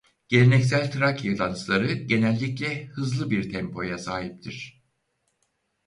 Geleneksel Trakya dansları genellikle hızlı bir tempoya sahiptir.